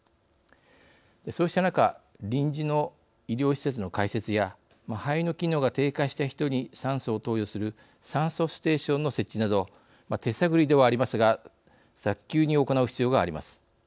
そうした中臨時の医療施設の開設や肺の機能が低下した人に酸素を投与する酸素ステーションの設置など手探りではありますが早急に行う必要があります。